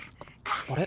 あれ？